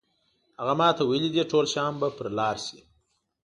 هغه ماته ویلي دي ټول شیان به پر لار شي.